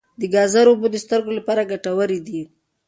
د ګازرو اوبه د سترګو لپاره ګټورې دي.